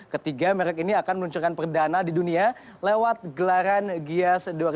ketiga merek ini akan meluncurkan perdana di dunia lewat gelaran gias dua ribu dua puluh